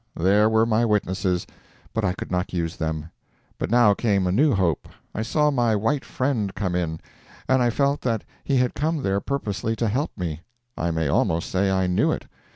There were my witnesses, but I could not use them. But now came a new hope. I saw my white friend come in, and I felt that he had come there purposely to help me. I may almost say I knew it.